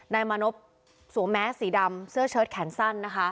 นายมานพสวมแมสสีดำเสื้อเชิดแขนสั้นนะคะ